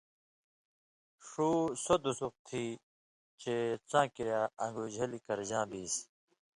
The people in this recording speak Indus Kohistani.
ݜُو سو دُسُق تھی چے څاں کِریا ان٘گُوی جھلیۡ کرژاں بیسیۡ۔